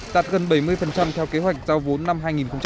đạt gần bảy mươi theo kế hoạch giao vốn năm hai nghìn hai mươi